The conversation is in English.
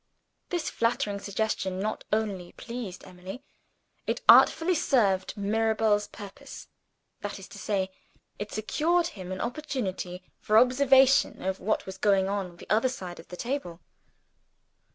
This flattering suggestion not only pleased Emily it artfully served Mirabel's purpose. That is to say, it secured him an opportunity for observation of what was going on at the other side of the table.